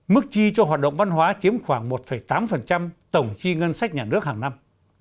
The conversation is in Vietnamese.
mức chi cho hoạt động văn hóa chiếm khoảng một tám tổng chi ngân sách nhà nước hàng năm